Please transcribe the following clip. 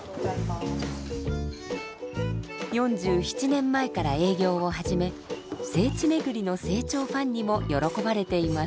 ４７年前から営業を始め聖地巡りの清張ファンにも喜ばれています。